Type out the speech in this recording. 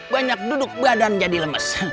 banyak duduk badan jadi lemes